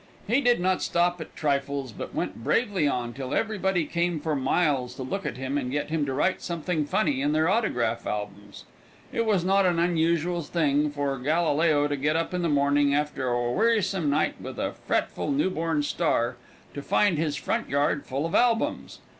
He did not stop at trifles, but went bravely on till everybody came for miles to look at him and get him to write something funny in their autograph albums. It was not an unusual thing for Galileo to get up in the morning, after a wearisome night with a fretful, new born star, to find his front yard full of albums.